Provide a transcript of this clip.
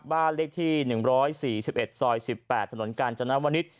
บ้านเลขที่๑๔๑ซอย๑๘ถนนกาญจนวนิษฐ